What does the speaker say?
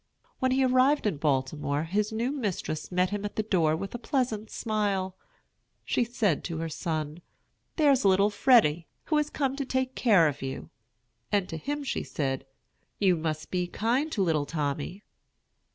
When he arrived in Baltimore, his new mistress met him at the door with a pleasant smile. She said to her son, "There's little Freddy, who has come to take care of you"; and to him she said, "You must be kind to little Tommy."